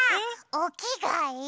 おきがえ